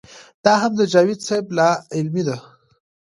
دا هم د جاوېد صېب لا علمي ده